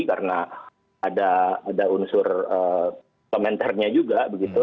karena ada ada unsur ee komenternya juga begitu